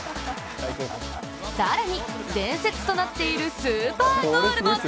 更に、伝説となっているスーパーゴールも。